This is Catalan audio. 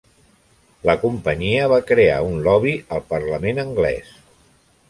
La companyia va crear un lobby al parlament anglès.